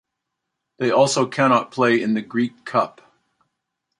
They also cannot play in the Greek Cup.